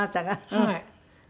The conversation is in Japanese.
はい。